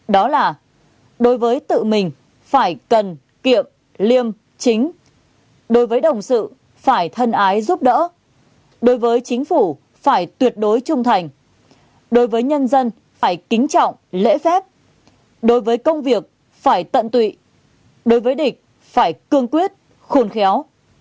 đó là đối với tự mình phải cần kiệm liêm chính đối với đồng sự phải thân ái giúp đỡ đối với chính phủ phải tuyệt đối trung thành đối với nhân dân phải kính trọng lễ phép đối với công việc phải tận tụy đối với địch phải cương quyết khôn khéo